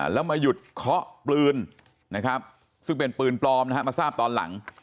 แล้วมาหยุดเคาะปืนนะครับซึ่งเป็นปืนปลอมนะฮะมาทราบตอนหลัง